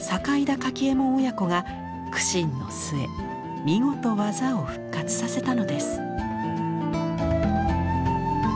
柿右衛門親子が苦心の末見事技を復活させたのです。